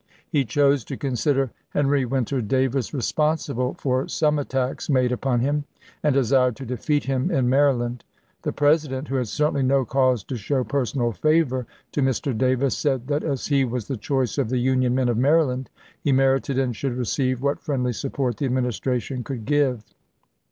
He chose to consider Henry Winter Davis responsible for some attacks made upon him, and desired to defeat him in Maryland. The President, who had certainly no cause to show personal favor to Mr. Davis, said that as he was the choice of the Union men of Maryland he merited and should receive what friendly support the Administration could give.